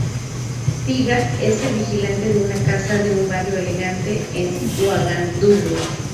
Tiga es el vigilante de una casa en un barrio elegante en Uagadugú.